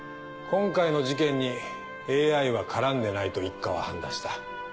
今回の事件にＡＩは絡んでないと一課は判断した。